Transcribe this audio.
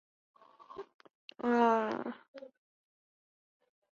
国家能源委员会办公室的工作由国家能源局承担。